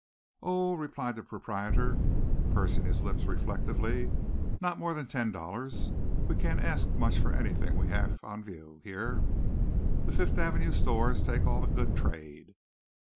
"Oh," replied the proprietor, pursing his lips reflectively, "not more than ten dollars. We can't ask much for anything we have on view here. The Fifth Avenue stores take all the good trade."